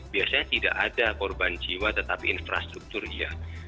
biasanya tidak ada korban jiwa tetapi infrastruktur ya